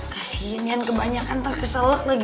kasian kebanyakan terselek lagi